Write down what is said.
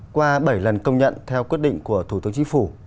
qua bảy lần công nhận theo quyết định của thủ tướng chính phủ